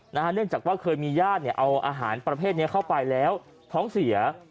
เนื่องจากว่าเคยมีญาติเอาอาหารประเภทนี้เข้าไปแล้วท้องเสีย